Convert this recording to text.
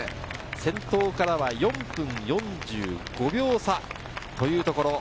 先頭からは４分４５秒差というところ。